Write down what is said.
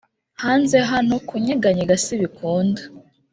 hanze hano kunyeganyega si bikunda